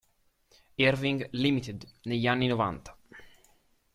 Irving Limited, negli anni novanta.